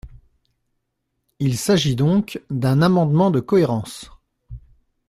Il s’agit donc d’un amendement de cohérence.